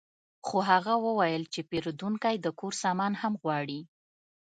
خو هغه وویل چې پیرودونکی د کور سامان هم غواړي